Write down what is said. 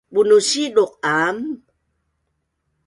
Bunun siduq aam